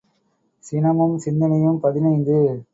சினமும் சிந்தனையும் பதினைந்து .